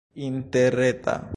interreta